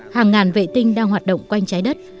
hàng ngàn vệ tinh đang hoạt động quanh trái đất